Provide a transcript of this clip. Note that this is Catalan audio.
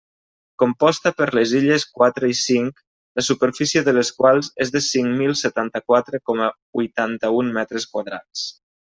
Composta per les illes quatre i cinc, la superfície de les quals és de cinc mil setanta-quatre coma huitanta-un metres quadrats.